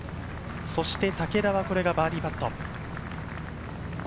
そして竹田はこれがバーディーパット。